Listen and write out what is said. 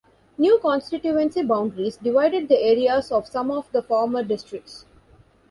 New constituency boundaries divided the areas of some of the former districts.